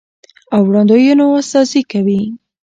او وړاندوينو استازي کوي،